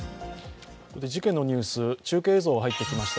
事件のニュース、中継映像が入ってきました。